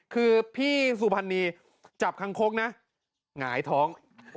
คือพี่สุพรรณีจับคังคกนะหงายท้อง